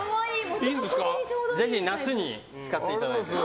ぜひ、夏に使っていただいて。